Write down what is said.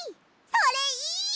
それいい！